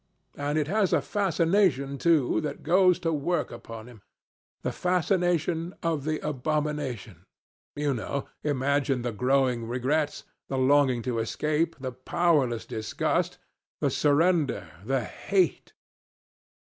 And it has a fascination, too, that goes to work upon him. The fascination of the abomination you know. Imagine the growing regrets, the longing to escape, the powerless disgust, the surrender, the hate."